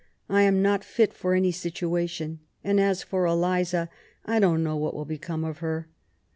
I am not fit for any sitaation ; and as for Eliza, I don't know what will become of her.